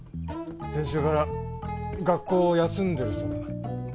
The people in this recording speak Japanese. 先週から学校を休んでるそうだな。